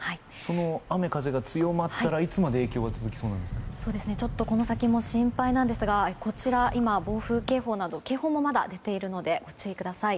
雨風が強まったらいつまで影響がちょっと、この先も心配なんですがこちら今、暴風警報など警報もまだ出ているのでご注意ください。